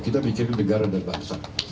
kita pikir negara berbahasa